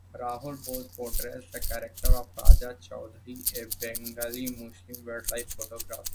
Rahul Bose portrays the character of Raja Chowdhury, a Bengali Muslim wildlife photographer.